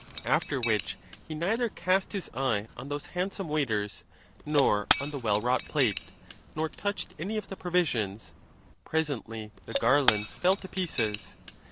After which he neither cast his eye on those handsome waiters, nor on the well wrought plate; nor touched any of the provisions: pres ently the garlands fell to pieces.